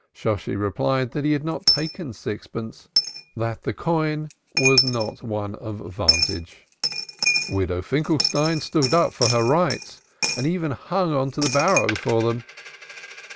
Shosshi replied that he had not taken sixpence, that the coign was not one of vantage. Widow Finkelstein stood up for her rights, and even hung on to the barrow for them.